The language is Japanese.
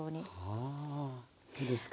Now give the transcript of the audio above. はあいいですか。